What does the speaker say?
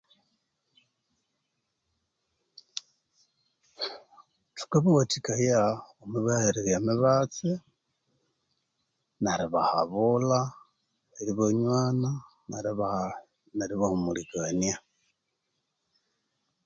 Thukabawathikaya omwi bahererya emibatsi neribahabulha eribanywana neriba neribahumulikania